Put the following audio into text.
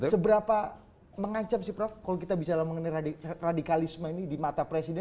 seberapa mengancam sih prof kalau kita bicara mengenai radikalisme ini di mata presiden